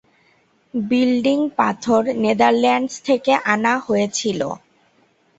Building পাথর Netherlands থেকে আনা হয়ে ছিল।